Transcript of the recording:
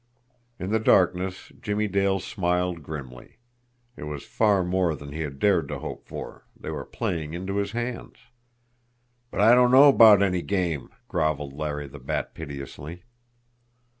In the darkness, Jimmie Dale smiled grimly. It was far more than he had dared to hope for they were playing into his hands! "But I don't know 'bout any game," grovelled Larry the Bat piteously.